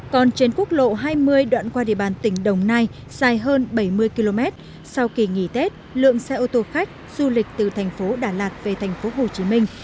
còn trên quốc lộ hai mươi đoạn qua địa bàn tỉnh đồng nai dài hơn bảy mươi km sau kỳ nghỉ tết lượng xe ô tô khách du lịch từ thành phố đà lạt về thành phố hồ chí minh